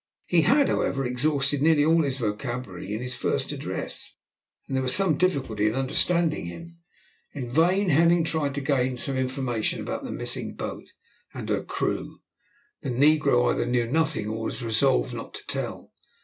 He had, however, exhausted nearly all his vocabulary in his first address, and there was some difficulty in understanding him. In vain Hemming tried to gain some information about the missing boat and her crew. The negro either knew nothing or was resolved not to tell.